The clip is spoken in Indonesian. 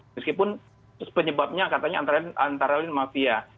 meskipun penyebabnya katanya antara lain mafia